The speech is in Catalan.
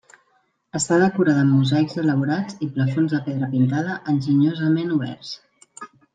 Està decorada amb mosaics elaborats i plafons de pedra pintada enginyosament oberts.